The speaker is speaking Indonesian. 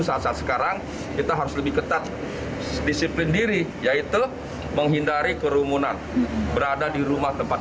saat saat sekarang kita harus lebih ketat disiplin diri yaitu menghindari kerumunan berada di rumah tempat